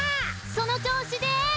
そのちょうしです！